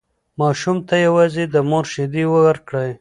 ماشوم ته یوازې د مور شیدې ورکړئ.